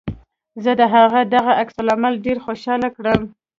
زه د هغه دغه عکس العمل ډېر خوشحاله کړم